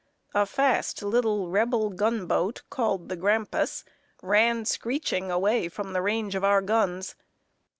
A fast little Rebel gunboat, called the Grampus, ran screeching away from the range of our guns.